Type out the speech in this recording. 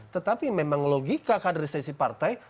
tetapi memang logika kaderisasi partai